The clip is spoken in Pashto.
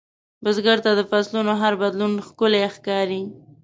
بزګر ته د فصلونـو هر بدلون ښکلی ښکاري